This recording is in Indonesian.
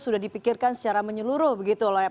sudah dipikirkan secara menyeluruh begitu oleh